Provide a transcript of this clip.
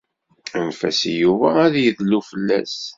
Anef-as i Yuba ad yedlu fell-as.